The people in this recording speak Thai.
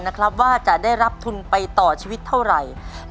นะครับว่าจะได้รับทุนไปต่อชีวิตเท่าไหร่